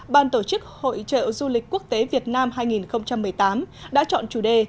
ban tổ chức hội trợ du lịch quốc tế việt nam hai nghìn một mươi tám đã chọn chủ đề